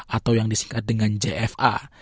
atau yang disingkat dengan jfa